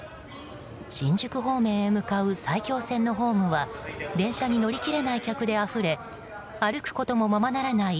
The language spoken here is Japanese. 新宿方面へ向かう埼京線のホームは電車に乗り切れない客であふれ歩くこともままならない